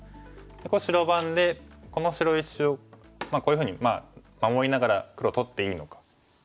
これ白番でこの白石をこういうふうに守りながら黒取っていいのか。